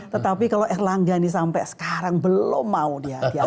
tetapi kalau erlangga ini sampai sekarang belum mau diajak